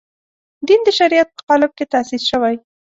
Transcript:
دین د شریعت په قالب کې تاسیس شوی.